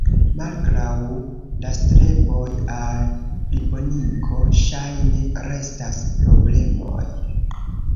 Malgraŭ la streboj al plibonigo, ŝajne restas problemoj.